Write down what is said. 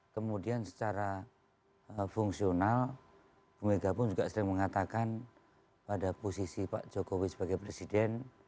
kemudian secara fungsional bu mega pun juga sering mengatakan pada posisi pak jokowi sebagai presiden